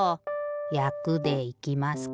やくでいきますか。